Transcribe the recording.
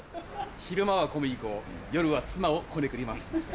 昼間は小麦粉夜は妻をこねくり回しています。